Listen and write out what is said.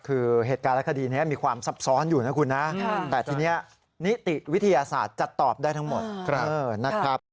คือเหตุการณ์และคดีนี้มีความซับซ้อนอยู่นะคุณนะแต่ทีนี้นิติวิทยาศาสตร์จะตอบได้ทั้งหมดนะครับ